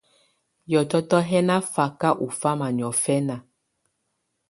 Hiɔtɔtɔ hɛ̀ nà faka ù fama niɔ̀fɛna.